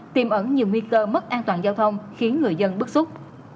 tìm ẩn nhiều nguy cơ mất an toàn giao thông khiến người dân bức xúc